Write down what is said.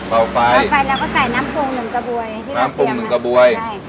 เบาไฟเบาไฟแล้วก็ใส่น้ำปรุงหนึ่งกระบวยน้ำปรุงหนึ่งกระบวย